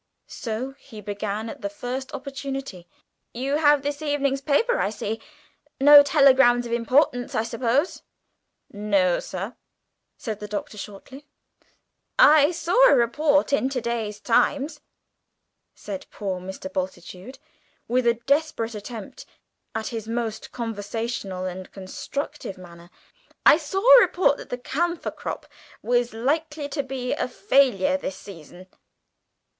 So he began at the first opportunity: "You have this evening's paper, I see. No telegrams of importance, I suppose?" "No, sir," said the Doctor shortly. "I saw a report in to day's Times," said poor Mr. Bultitude, with a desperate attempt at his most conversational and instructive manner, "I saw a report that the camphor crop was likely to be a failure this season.